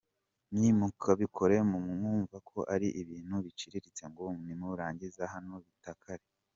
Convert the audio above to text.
Ntimukabikore mwumva ko ari ibintu biciriritse ngo nimurangiza hano bitakare.